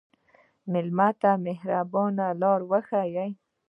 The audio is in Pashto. مېلمه ته د مهربانۍ لاره وښیه.